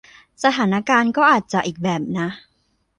สถานการณ์ก็อาจจะอีกแบบนะ